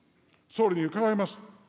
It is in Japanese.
総理に伺います。